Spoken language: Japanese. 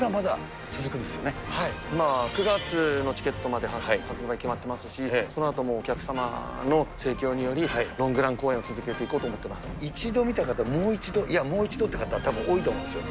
けれ９月のチケットまで発売決まってますし、そのあともお客様の盛況により、ロングラン公演、一度見た方、もう一度、いや、もう一度っていう方多いと思うんですよ。